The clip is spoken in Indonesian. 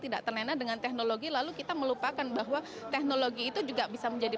tidak terlena dengan teknologi lalu kita melupakan bahwa teknologi itu juga bisa menjadi